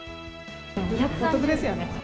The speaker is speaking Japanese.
お得ですよね。